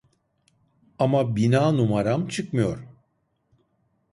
Ama bina numaram çıkmıyor